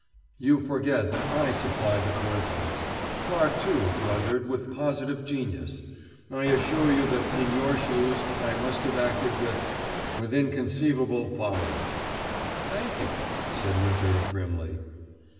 "You forget that I supplied the coincidence. Clarke, too, blundered with positive genius. I assure you that, in your shoes, I must have acted with with inconceivable folly." "Thank you," said Winter grimly.